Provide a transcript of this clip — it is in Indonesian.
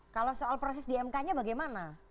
kalau soal proses dmk nya bagaimana